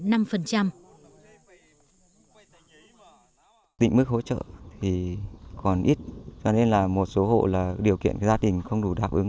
định mức hỗ trợ thì còn ít cho nên là một số hộ là điều kiện gia đình không đủ đáp ứng